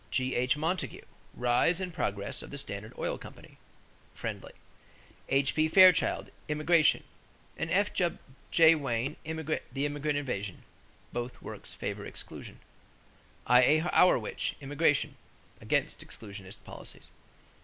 G.H. Montague, Rise and Progress of the Standard Oil Company (Friendly). H.P. Fairchild, Immigration, and F.J. Warne, The Immigrant Invasion (Both works favor exclusion). I.A. Hourwich, Immigration (Against exclusionist policies).